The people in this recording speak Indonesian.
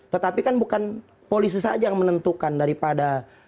tetapi kan bukan polisi saja yang menentukan daripada